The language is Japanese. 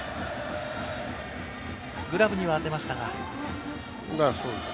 グラブには当てましたが。